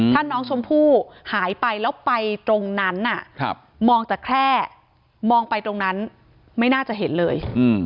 ถ้าน้องชมพู่หายไปแล้วไปตรงนั้นมองจากแคร่มองไปตรงนั้นไม่น่าจะเห็นเลย